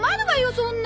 そんな。